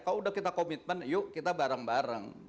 kalau udah kita komitmen yuk kita bareng bareng